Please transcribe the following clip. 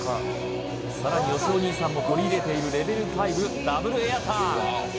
さらによしお兄さんも取り入れているレベル５２／１エアターン